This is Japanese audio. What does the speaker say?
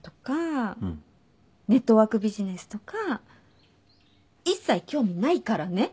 ネットワークビジネスとか一切興味ないからね。